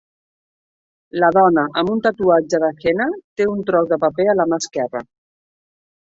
La dona amb un tatuatge de henna té un tros de paper a la mà esquerra.